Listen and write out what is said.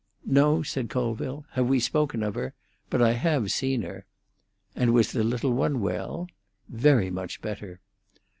"No," said Colville. "Have we spoken of her? But I have seen her." "And was the little one well?" "Very much better."